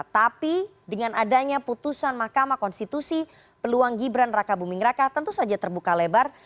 tapi dengan adanya putusan mahkamah konstitusi peluang gibran raka buming raka tentu saja terbuka lebar